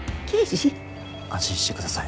安心して下さい。